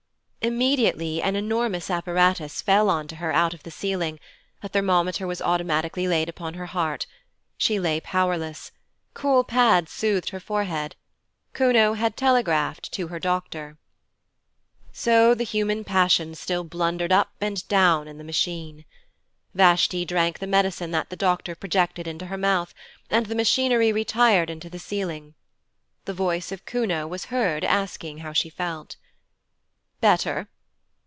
Immediately an enormous apparatus fell on to her out of the ceiling, a thermometer was automatically laid upon her heart. She lay powerless. Cool pads soothed her forehead. Kuno had telegraphed to her doctor. So the human passions still blundered up and down in the Machine. Vashti drank the medicine that the doctor projected into her mouth, and the machinery retired into the ceiling. The voice of Kuno was heard asking how she felt. 'Better.'